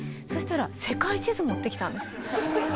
そしたら世界地図持ってきたんです。